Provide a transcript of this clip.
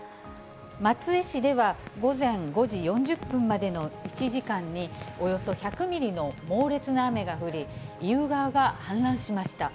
松江市では、午前５時４０分までの１時間に、およそ１００ミリの猛烈な雨が降り、意宇川が氾濫しました。